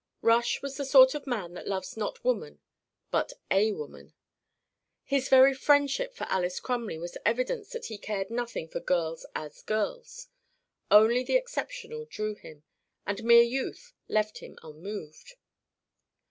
Rush was the sort of man that loves not woman but a woman. His very friendship for Alys Crumley was evidence that he cared nothing for girls as girls. Only the exceptional drew him, and mere youth left him unmoved.